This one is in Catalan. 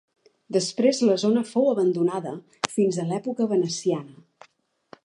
Després la zona fou abandonada fins a l'època veneciana.